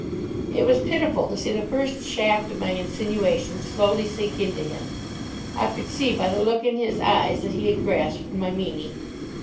It was pitiful to see the first shaft of my insinuation slowly sink into him. I could see by the look in his eyes that he had grasped my meaning.